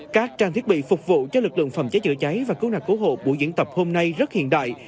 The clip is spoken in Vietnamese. các trang thiết bị phục vụ cho lực lượng phòng cháy chữa cháy và cứu nạn cứu hộ buổi diễn tập hôm nay rất hiện đại